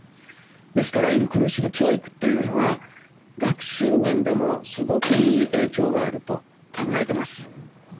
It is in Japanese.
ですからインクルーシブ教育というのは学習面でもすごくいい影響があると考えてます。